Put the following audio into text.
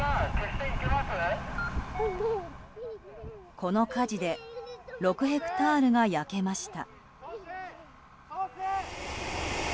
この火事で６ヘクタールが焼けました。